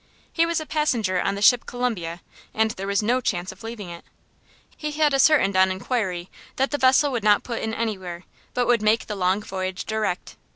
He was a passenger on the ship Columbia, and there was no chance of leaving it. He had ascertainel on inquiry that the vessel would not put in anywhere, but would make the long voyage direct.